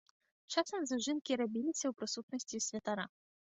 Часам зажынкі рабіліся ў прысутнасці святара.